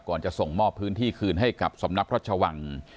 ก่อนจะส่งมอบพื้นที่คืนให้กับสมนับรัฐชวัง